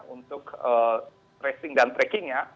untuk tracing dan trackingnya